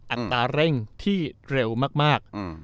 อัตราเร่งที่เร็วมาก